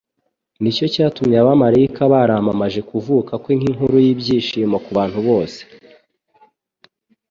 Nicyo cyatumye abamarayika baramamaje kuvuka kwe nk'inkuru y'ibyishimo ku bantu bose